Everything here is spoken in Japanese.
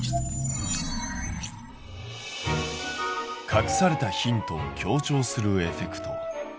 隠されたヒントを強調するエフェクト。